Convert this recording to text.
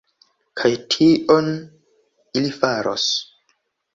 Kaj tion ili faros.